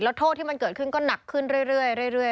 โทษที่มันเกิดขึ้นก็หนักขึ้นเรื่อย